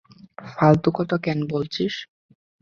ফালতু কথা কেন বলছিস?